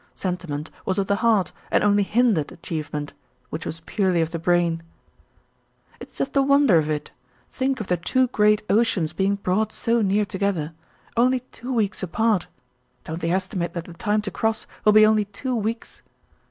Sentiment was of the heart and only hindered achievement, which was purely of the brain. "It's just the wonder of it. Think of the two great oceans being brought so near together! Only two weeks apart! Don't they estimate that the time to cross will be only two weeks?"